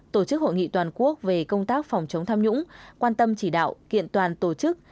tổ chức hội nghị toàn quốc về công tác phòng chống tham nhũng quan tâm chỉ đạo kiện toàn tổ chức